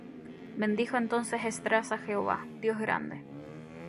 Bendijo entonces Esdras á Jehová, Dios grande.